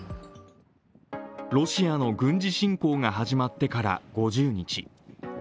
ロシアの軍事侵攻が始まってから５０日。